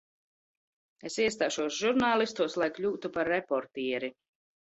Es iestāšos žurnālistos, lai kļūtu par reportieri.